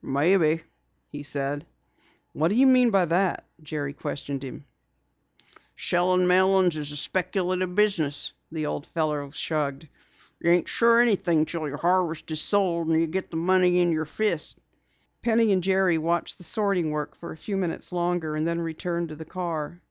"Maybe," he said. "What do you mean by that?" Jerry questioned him. "Sellin' melons is a speculative business," the old fellow shrugged. "You ain't sure o' anything until your harvest is sold and you get the money in your fist." Penny and Jerry watched the sorting work for a few minutes longer and then returned to the car.